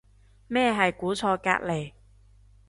咩係估錯隔離